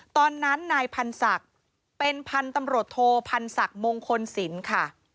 ตอนนั้นนายพันศักดิ์เป็นพันธุ์ตำรวจโทพันศักดิ์มงคลศิลป์ค่ะ